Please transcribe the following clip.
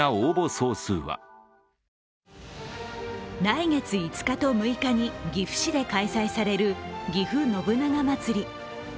来月５日と６日に岐阜市で開催されるぎふ信長まつり。